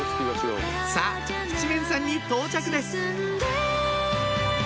さぁ七面山に到着です